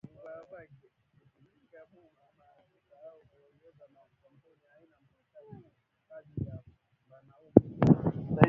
Ku tumika mu ma ofisi ao ku ongoza ma kampuni aina paka kaji ya banaume